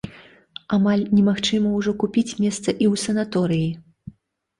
Амаль немагчыма ўжо купіць месца і ў санаторыі.